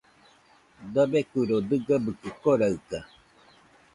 Dabeikuiro dɨgabɨkɨ koraɨka